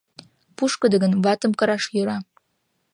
Пушкыдо гын, ватым кыраш йӧра.